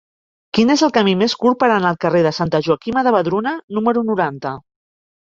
Quin és el camí més curt per anar al carrer de Santa Joaquima de Vedruna número noranta?